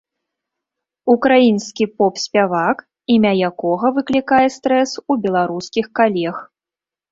Украінскі поп-спявак, імя якога выклікае стрэс у беларускіх калег.